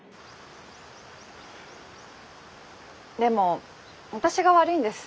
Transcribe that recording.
でも私が悪いんです。